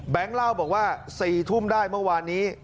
เล่าบอกว่า๔ทุ่มได้เมื่อวานนี้